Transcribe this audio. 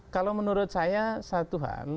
kalau menurut saya satu hal